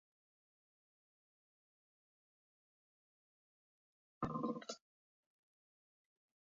Albistera erantsitako dokumentuetan sartu hitzorduaren eguna eta ordua ezagutzeko.